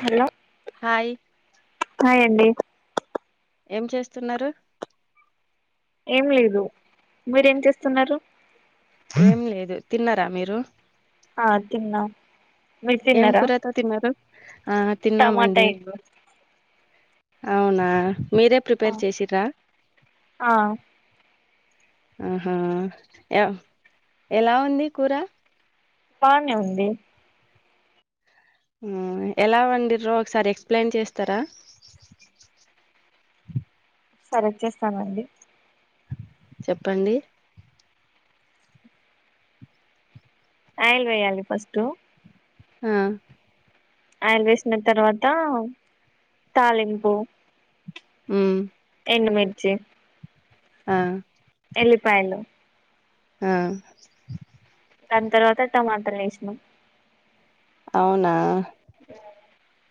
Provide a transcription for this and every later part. Hello hi hi అండి ఏం చేస్తున్నారు ఏం లేదు మీరేం చేస్తున్నారు ఏం లేదు తిన్నారా మీరు ఆ తిన్నా మీరు ఏం తిన్నారా కూరతో తిన్నారు ఆ టమాటా తిన్నామండి ఎగ్ అవునా మీరే ప్రిపేర్ చేసిరా ఆ ఆహా ఎలా ఉంది కూర బానే ఉంది ఎలా వండిరో ఒకసారి ఎక్స్ప్లెయిన్ చేస్తారా. సరే చేస్తానండి చెప్పండి. ఆయిల్ వేయాలి ఫస్ట్ ఆ ఆయిల్ వేసిన తర్వాత తాలింపు ఉమ్ ఎండుమిర్చి ఆ ఉల్లిపాయలు ఆ దాని తర్వాత టమాటలు ఏసినం అవునా ఆ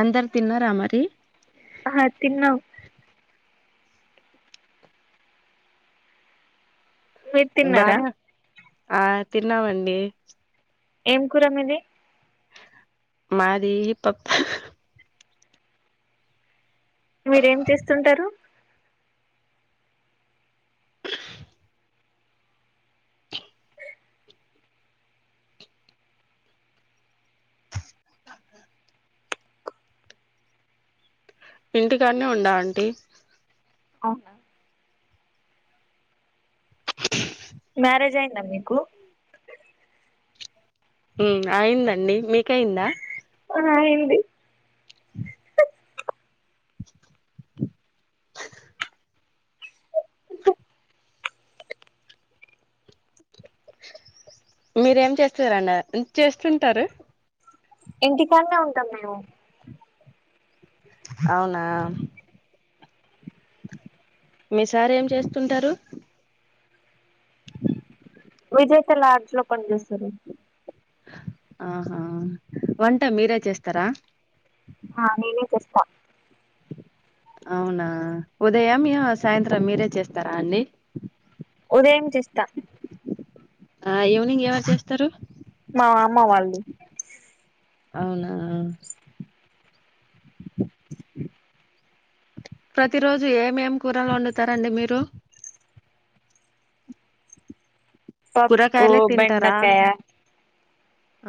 అందరు తిన్నారా మరి ఆ తిన్నం మీర్ తిన్నార బానే ఆ తిన్నామండి ఏం కూర మీది మాది పప్పు మీరేం చేస్తుంటారు ఇంటికానే ఉండ ఆంటీ అవునా మ్యారేజ్ అయిందా మీకు అయిందండి మీకయిందా ఆ అయింది మీరేం చేస్తారన్న చేస్తుంటారు ఇంటికాన్ననే ఉంటాం మేము అవునా మీ సారూ ఏం చేస్తుంటారు విజేత లాడ్జి లో పని చేస్తారు ఆహా వంట మీరే చేస్తారా ఆ నేనే చేస్తా అవునా ఉదయం మ సాయంత్రం మీరే చేస్తారా అండి ఉదయం చేస్త ఆ ఈవనింగ్ ఎవరు చేస్తారు మా అమ్మ వాళ్ళు అవునా ప్రతి రోజు ఏమేం కూరలు వండుతారండి మీరు పప్పు కూరకాయలే తింటారా బెండకాయ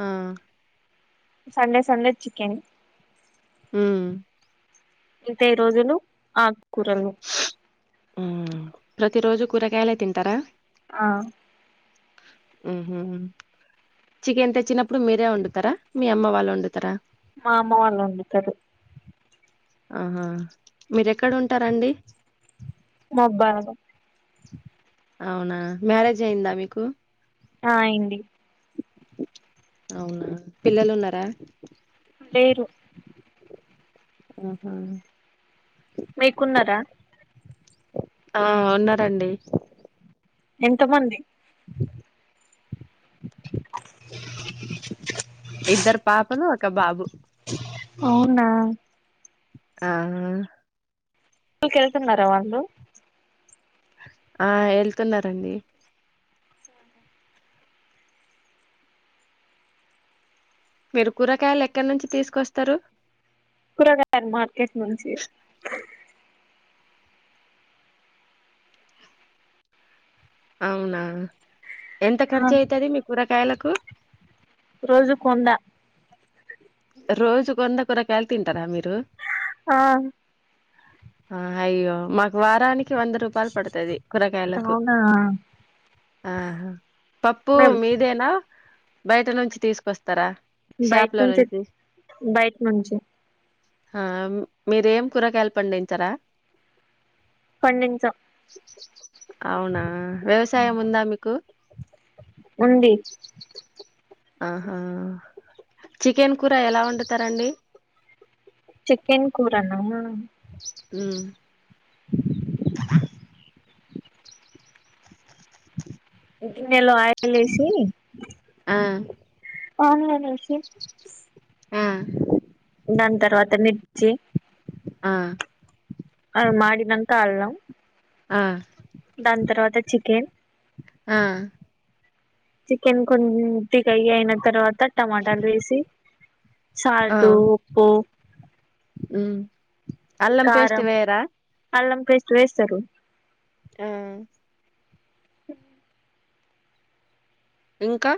ఆ సండే సండే చికెన్ ఉమ్ మిగతావి రోజులు ఆకు కూరలు ప్రతి రోజు కూరగాయలే తింటారా ఆ ఉహు చికెన్ తెచ్చినప్పుడు మీరే వండుతారా మీ అమ్మ వాళ్ళు వండుతారా ఆ అమ్మ వాళ్ళ వండుతారు ఆహా మీరేక్కడ ఉంటారండి అబ్బాడం అవునా మ్యారేజ్ అయిందా మీకు ఆ అయింది అవునా పిల్లలు ఉన్నారా లేరు ఆహా మీకున్నర ఆ ఉన్నారండి ఎంత మంది ఇద్దరు పాపలు ఒక బాబు అవునా ఆహా స్కూల్ కికెళ్తున్నారా వాళ్ళు ఆ వెళ్తున్నారండి మీరు కూరగాయలు ఎక్కడి నుంచి తీసుకొస్తారు కూరగాయలు మార్కెట్ నుంచి అవునా ఎంత ఆ ఖర్చు అయితది మీ కూరగాయలకు రోజుకు వంద రోజు కు వంద కూరగాయలు తింటారా మీరు ఆ ఆ అయ్యో మాకు వారానికి వంద రూపాయలు పడుతది కూరగాయలకు అవునా ఆహా పప్పు మేం మీదేనా బయట నుంచి తీసుకొస్తారా షాప్ లో నుంచి బైట నుంచి ఆ మీరేం కూరగాయలు పండించరా పండించం అవునా వ్యవసాయం ఉందా మీకు ఉంది ఆహా చికెన్ కూర ఎలా వండుతారండి చికెన్ కూరనా ఉ [inaudible] గిన్నెలో ఆయిల్ ఏసి ఆ అవునులేండి ఆ దాని తర్వాత మిర్చి ఆ మాడినంక అల్లం ఆ దాని తర్వాత చికెన్ ఆ చికెన్ కొన్ని ఉ ఫ్రై అయిన తర్వాత టమాటాలు వేసి ఆ సాల్టు ఉప్పు అల్లం పేస్ట్ కారం వేయరా అల్లం పేస్ట్ వేస్తరు ఆ అ [inaudible] ఇంకా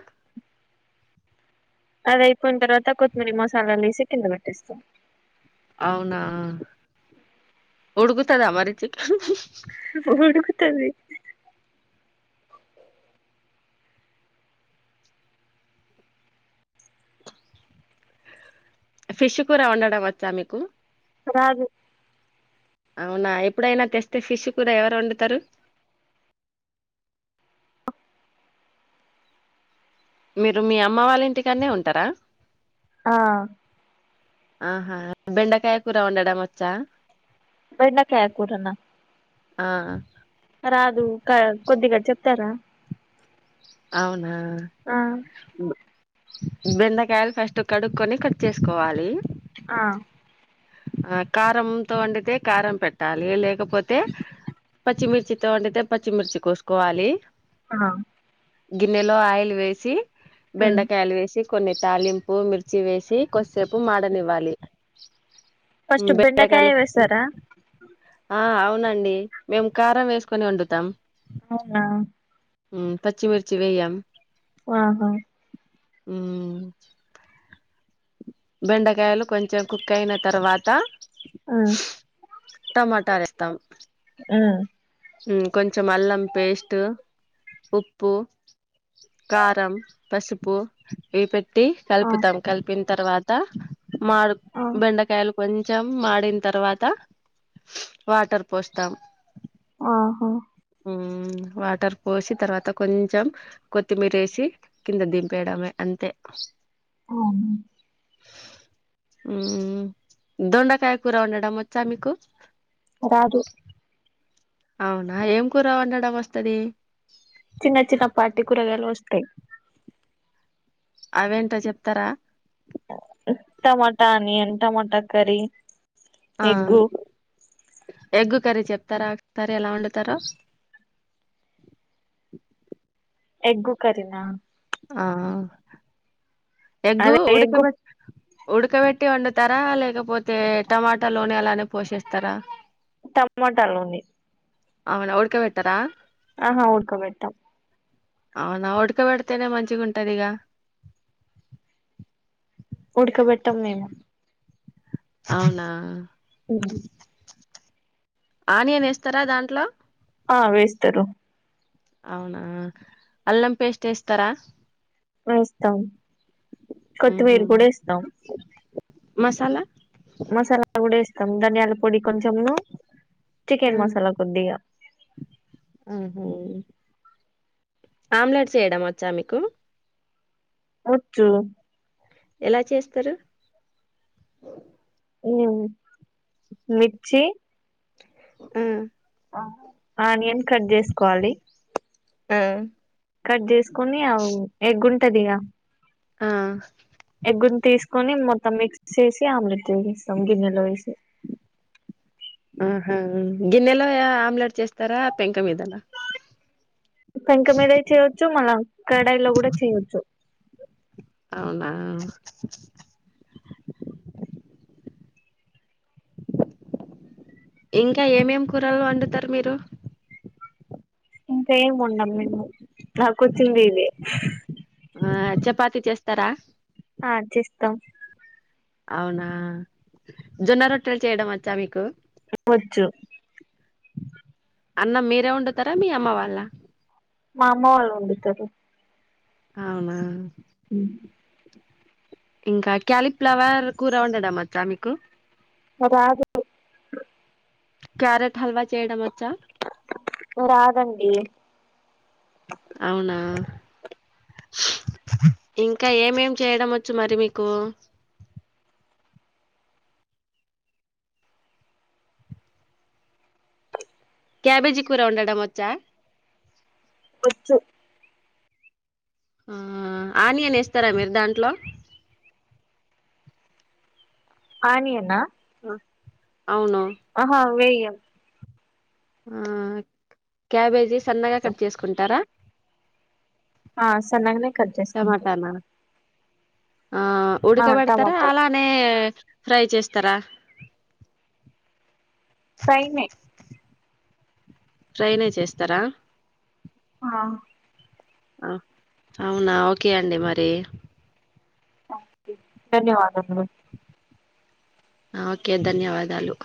అదయిపోయిన తర్వాత కొత్తిమీర మసాలాలు వేసి కింద పెట్టేస్తాం అవునా ఉడుకుతదా మరి చికెన్ ఉడుకుతది ఫిష్ కూర వండడం వచ్చా మీకు రాదు అవునా ఎప్పుడైనా తెస్తే ఫిష్ కూడా ఎవరు వండుతారు [inaudible] మీరు మీ అమ్మ వాళ్ళ ఇంటికనే ఉంటారా ఆ ఆహా బెండకాయ కూర వండడం వచ్చా బెండకాయ కూరనా ఆ రాదు కొద్దిగా చెప్తారా అవునా ఆ బెండాకాయలు ఫస్ట్ కడుక్కుని కట్ చేసుకోవాలి ఆ ఆ కారంతో వండితే కారం పెట్టాలి లేక లేకపోతే పచ్చిమిర్చితో వండితే పచ్చిమిర్చి కోసుకోవాలి ఆ గిన్నెలో ఆయిల్ వేసి బెండకాయలు వేసి కొన్ని తళింపు మిర్చి వేసి కొద్దిసేపు మాడనివ్వాలి ఫస్ట్ బెండకాయ బెండకాయలు వేస్తారా ఆ అవునండి మేము కారం వేసుకొని వండుతాం అవునా పచ్చిమిర్చి వేయ్యం ఆహా ఉం బెండకాయలు కొంచెం కుక్ అయిన తర్వాత ఆ టమాటాలు వేస్తాం ఉం ఉం కొంచెం అల్లం పేస్ట్ ఉప్పు కారం పసుపు ఇవి పెట్టి ట్టి ఆ కలుపుతాం కలిపిన తర్వాత మాడు ఆ బెండకాయలు కొంచెం మాడిన తర్వాత వాటర్ పోస్తాం ఆహా ఉం వాటర్ పోసి తర్వాత కొంచెం కొత్తిమీర వేసి కింద దింపేయడమే అంతే అవును ఉం దొండకాయ కూర వండడం వచ్చా మీకు రాదు అవునా ఏం కూర వండడం వస్తది చిన్న చిన్న పాటి కూరగాయలు వస్తాయి అవేంటో చెప్తారా టమాటా అనియన్ టమాటా కర్రీ ఆ ఎగ్గు ఎగ్ కర్రీ చెప్తారా కర్రీ ఎలా వండుతారో ఎగ్ కర్రీనా ఆ ఎగ్గు అదే ఎగ్గు ఉడకబట్ట ఉడకబెట్టి వండుతారా లేకపోతే టమాటా లోనే అలానే పోసేస్తారా టమాటలోని అవునా ఊడ్కబేట్టరా ఆహా ఉడుక పెట్టం అవునా ఉడకబెడతేనే మంచిగా ఉంటదిగ ఉడకబెట్టాం మేము అవునా అ [inaudible] ఆనియన్ వేస్తరా దాంట్లో ఆ వేస్తారు అవునా అల్లం పేస్ట్ వేస్తర వేస్తాం ఉహు కొత్తమీర కూడా వేస్తాం మసాలా తం ధనియాల పొడి కొంచెము చికెన్ మసాలా కొద్దిగా ఆహ ఆమ్లెట్స్ చేయడం వచ్చా మీకు వచ్చు ఎలా చేస్తరు ఉం మిర్చి ఆ ఆనియన్ కట్ చేసుకోవాలి ఆ కట్ చేసుకుని అ ఎగ్ ఉంటది ఇక ఆ ఎగ్గుని తీసుకొని మొత్తం మిక్స్ చేసి ఆమ్లెట్ చేసేస్తాం గిన్నెలో వేసి ఆహా గిన్నెలో ఆమ్లెట్ చేస్తారా పెంక మీదనా పెంక మీద చేయొచ్చు మళ్ళా కడాయిలో కూడా చేయొచ్చు అవునా ఇంకా ఏమేం కూరలు వండుతారు మీరు ఇంకా ఏం వండము నాకొచ్చిందే ఇవి తార ఆ చేస్తాం అవునా జొన్న రొట్టెలు చేయడం వచ్చా మీకు ఒచ్చు అన్న మీరే ఉండుతారా మీ అమ్మ వాళ్ళ మా అమ్మ వాళ్ళు వండుతారు అవునా అ ఇంకా క్యాలిఫ్లవర్ కూర ఉండడం ఒచ్చ మీకు [unintelligible] క్యారెట్ హల్వా చేయడం రాదండి అవునా ఇంకా ఏమేం చేయడం వచ్చు మరి మీకు క్యాబేజీ కూర ఉండడం వచ్చా ఒచ్చు ఆ ఆనియన్ వేస్తారా మీరు దాంట్లో ఆనియనా ఆ ఆహా వెయ్య ఆ క్యాబేజీ సన్నగా కట్ చేసుకుంటారా ఆ సన్నగానే కట్ చేసుకొంటాం టమాటానా ఆ ఉడకబడతారా టమాటాలు అలానే ఫ్రై చేస్ తర ఫ్రై నే ఫ్రైనే చేస్తార ఆ ఆ అవునా ఓకే అండి మరి ధన్యవాదలు ఒకే ధన్యవాదాలు